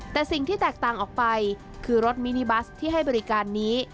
แต่สิ่งที่แตกต่างออกไปคือรถมินิบัสที่ให้บริการนี้